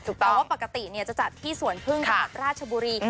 แต่ว่าปกติเนี่ยจะจัดที่สวนพึ่งของทราชบุรี